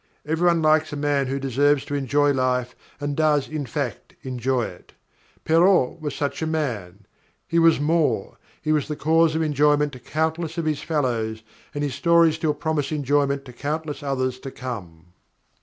Every one likes a man who deserves to enjoy life and does, in fact, enjoy it. Perrault was such a man. He was more. He was the cause of enjoyment to countless of his fellows, and his stories still promise enjoyment to countless others to come.